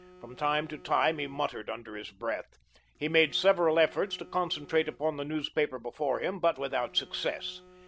From time to time he muttered under his breath. He made several efforts to concentrate upon the newspaper before him, but without success.